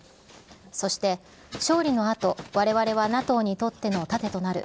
そして勝利のあと、われわれはＮＡＴＯにとっての盾となる。